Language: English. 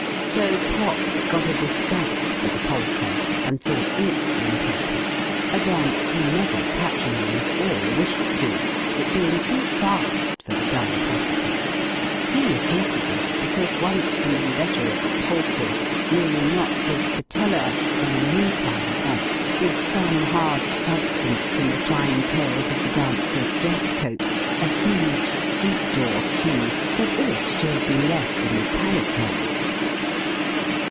So, Potts got a disgust for the polka, and thought it improper a dance he never patronised or wished to it being too fast for the dull apothecary! he hated it, because once an inveterate polkist nearly knocked his patella, or knee pan, off, with some hard substance in the flying tails of the dancer's dress coat a huge street door key, that ought to have been left in the paletôt.